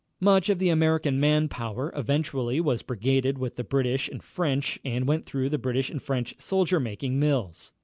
Much of the American man power eventually was brigaded with the British and French and went through the British and French soldier making mills.